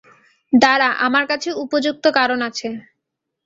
দাঁড়া, আমার কাছে উপযুক্ত কারণ আছে।